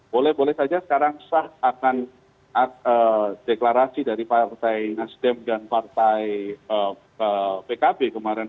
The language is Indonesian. boleh boleh saja sekarang sah akan deklarasi dari partai nasdem dan partai pkb kemarin